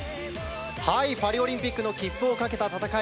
パリオリンピックの切符を懸けた戦い